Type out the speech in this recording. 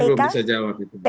saya belum bisa jawab itu